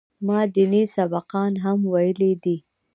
ما ديني سبقان هم ويلي دي.